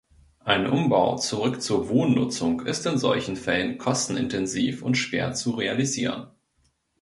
Ein Umbau zurück zur Wohnnutzung ist in solchen Fällen kostenintensiv und schwer zu realisieren.